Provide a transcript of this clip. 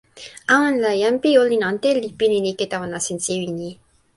awen la, jan pi olin ante li pilin ike tawa nasin sewi ni.